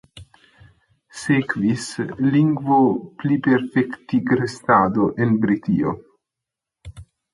Sekvis lingvopliperfektigrestado en Britio.